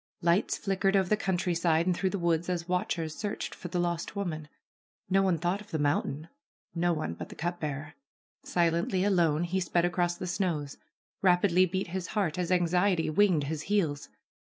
Lights flickered over the country side and through the woods as watchers searched for the lost woman. No one thought of the mountain, no one but the cup bearer. Silently, alone, he sped across the snows. Rapidly beat his heart as anxiety winged his heels.